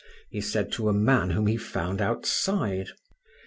he said to a man whom he found outside.